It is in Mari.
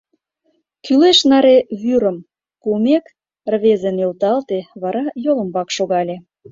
Кӱлеш наре вӱрым пуымек, рвезе нӧлталте, вара йолымбак шогале.